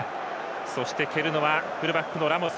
そして、蹴るのはフルバックのラモス。